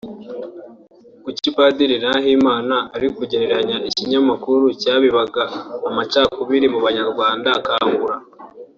Kuki Padiri Nahimana ari kugereranya ikinyamakuru cyabibaga amacakubiri mu banyarwanda Kangura